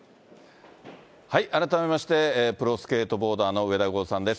改めまして、プロスケートボーダーの上田豪さんです。